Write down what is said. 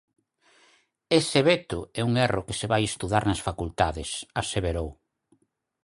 Ese veto é un erro que se vai estudar nas facultades, aseverou.